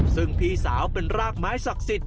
ซึ่งพี่สาวเป็นรากไม้ศักดิ์สิทธิ